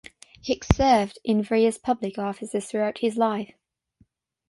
Hicks served in various public offices throughout his life.